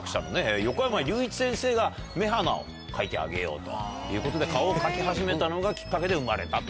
目鼻を描いてあげようということで顔を描き始めたのがきっかけで生まれたと。